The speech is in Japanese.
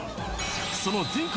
その全国